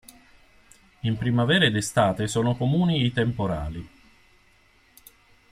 In primavera ed estate sono comuni i temporali.